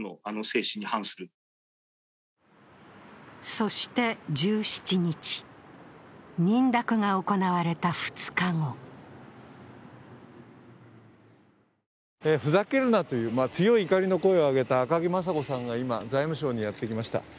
そして１７日、認諾が行われた２日後ふざけるなという強い怒りの声を上げた赤木雅子さんが今、財務省にやってきました。